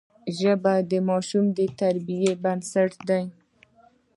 ژبه د ماشوم د تربیې بنسټ دی